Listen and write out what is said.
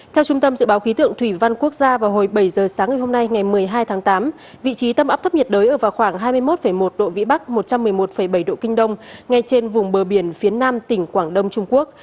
theo trung tâm dự báo khí tượng thủy văn quốc gia vào hồi bảy giờ sáng ngày hôm nay ngày một mươi hai tháng tám vị trí tâm áp thấp nhiệt đới ở vào khoảng hai mươi một một độ vĩ bắc một trăm một mươi một bảy độ kinh đông ngay trên vùng bờ biển phía nam tỉnh quảng đông trung quốc